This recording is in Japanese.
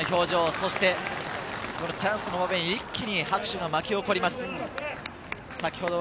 そしてチャンスの場面、一気に拍手が巻き起こります。